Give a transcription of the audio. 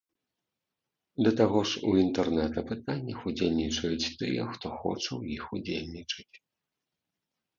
Да таго ж у інтэрнэт-апытаннях удзельнічаюць тыя, хто хоча ў іх удзельнічаць.